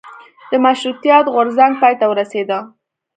د مشروطیت غورځنګ پای ته ورسیده.